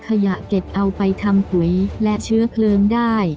ขยะเก็บเอาไปทำปุ๋ยและเชื้อเพลิงได้